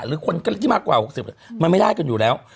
หรือคนที่มากกว่า๖๐มันไม่ได้กันอยู่แล้ว